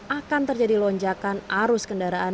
akan terjadi lonjakan arus kendaraan